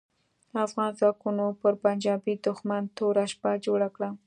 افغان ځواکونو پر پنجاپي دوښمن توره شپه جوړه کړه.